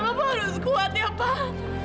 mama harus kuat kuat